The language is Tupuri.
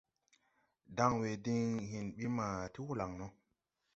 Danwe din hen ɓi ma ti holaŋ no.